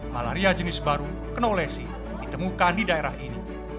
malaria jenis baru kenolesi ditemukan di daerah ini